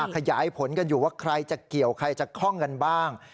ขยายผลกันอยู่ว่าใครจะเกี่ยวใครจะคล่องกันบ้าง